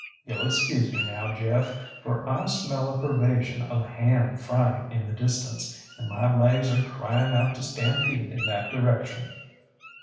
YouŌĆÖll excuse me, now, Jeff, for I smell a pervasion of ham frying in the distance, and my legs are crying out to stampede in that direction.